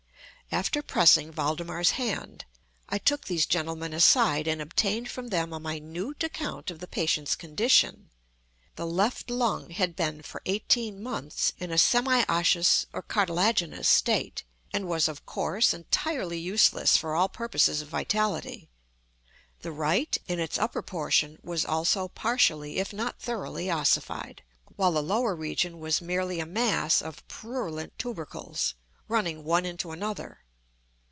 After pressing Valdemar's hand, I took these gentlemen aside, and obtained from them a minute account of the patient's condition. The left lung had been for eighteen months in a semi osseous or cartilaginous state, and was, of course, entirely useless for all purposes of vitality. The right, in its upper portion, was also partially, if not thoroughly, ossified, while the lower region was merely a mass of purulent tubercles, running one into another.